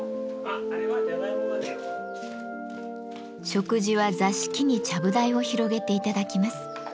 食事は座敷にちゃぶ台を広げて頂きます。